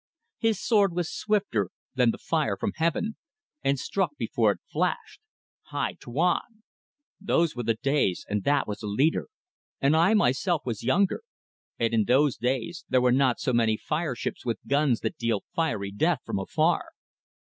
His sword was swifter than the fire from Heaven, and struck before it flashed. Hai! Tuan! Those were the days and that was a leader, and I myself was younger; and in those days there were not so many fireships with guns that deal fiery death from afar.